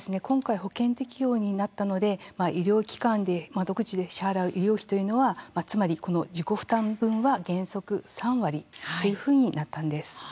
今回、保険適用になったので医療機関で窓口で支払う医療費というのはつまりこの自己負担分は原則３割というふうになったんです。